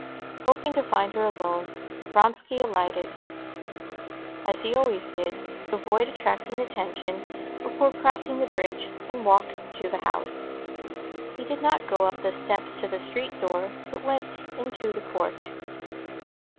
Hoping to find her alone, Vronsky alighted, as he always did, to avoid attracting attention, before crossing the bridge, and walked to the house. He did not go up the steps to the street door, but went into the court.